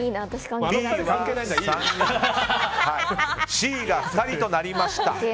Ｂは３人Ｃが２人となりました。